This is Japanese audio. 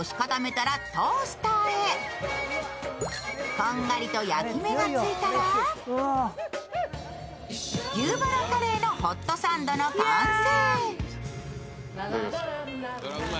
こんがりと焼き目がついたら牛ばらカレーのホットサンドの完成。